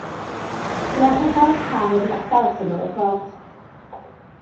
Fe ddaeth ar draws car wedi ei adael wrth ymyl y ffordd.